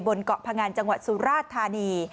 บนเกาะพงันจังหวัดสุราชธานี